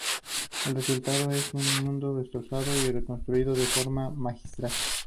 El resultado es un mundo destrozado y reconstruido de forma magistral".